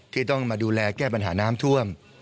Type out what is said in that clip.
ที่ต้องมาดูแลแก้ปัญหาน้ำท่วม